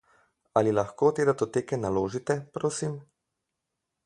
Ali lahko te datoteke naložite, prosim?